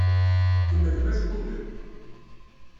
Kemmlem ajgugel.